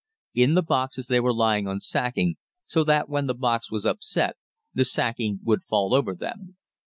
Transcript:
In the boxes they were lying on sacking, so that when the box was upset the sacking would fall over them.